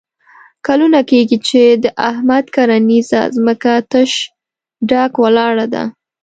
کلونه کېږي چې د احمد کرنیزه ځمکه تش ډاګ ولاړه ده.